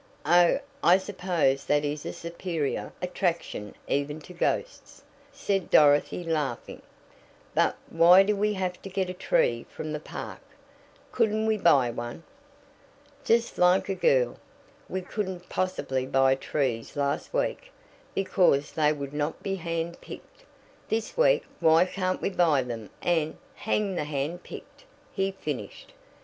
"Oh, I suppose that is a superior attraction even to ghosts," said Dorothy, laughing, "But why do we have to get a tree from the park? Couldn't we buy one?" "Just like a girl. We couldn't possibly buy trees last week, because they would not be hand picked. This week why can't we buy them and hang the handpicked," he finished.